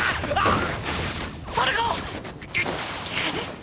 あっ！